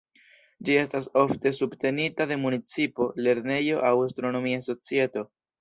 Ĝi estas ofte subtenita de municipo, lernejo aŭ astronomia societo.